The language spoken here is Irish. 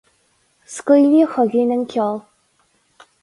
Scaoileadh chugainn an ceol.